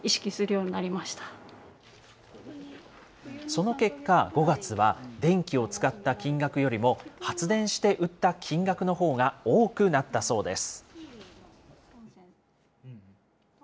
その結果、５月は、電気を使った金額よりも、発電して売った金額のほうが多くなったそうです。